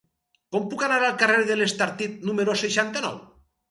Com puc anar al carrer de l'Estartit número seixanta-nou?